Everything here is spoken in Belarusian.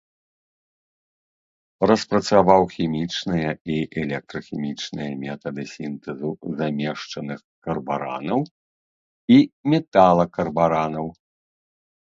Распрацаваў хімічныя і электрахімічныя метады сінтэзу замешчаных карбаранаў і металакарбаранаў.